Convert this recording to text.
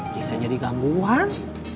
bisa jadi gangguan